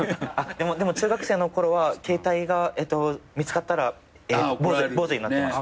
でも中学生のころは携帯が見つかったら坊主になってました。